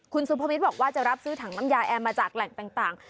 คุณสุภวิทย์บอกว่าจะรับซื้อถังน้ำยาแอร์มาจากแหล่งต่าง